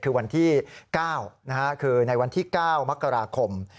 คือวันที่๙คือในวันที่๙มกราคม